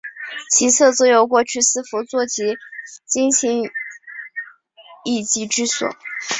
其侧则有过去四佛坐及经行遗迹之所。